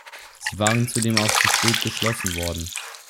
Sie waren zudem auch zu spät geschlossen worden.